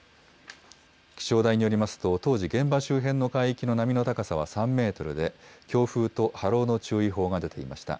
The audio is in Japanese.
気象台によりますと、当時、現場周辺の海域の波の高さは３メートルで、強風と波浪の注意報が出ていました。